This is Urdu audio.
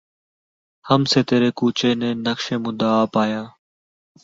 ہم سے تیرے کوچے نے نقش مدعا پایا